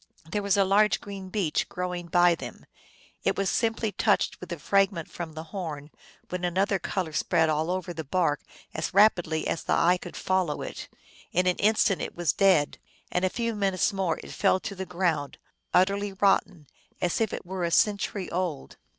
There was a large green beech grow ing by them. It was simply touched with the frag ment from the horn when another color spread all over the bark as rapidly as the eye could follow it : in an instant it was dead, and in a few minutes more it fell to the ground, utterly rotten, as if it were a century old.